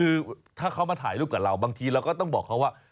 คือถ้าเขามาถ่ายรูปกับเราบางทีเราก็ต้องบอกเขาว่า